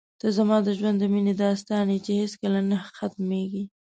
ته زما د ژوند د مینې داستان یې چې هېڅکله نه ختمېږي.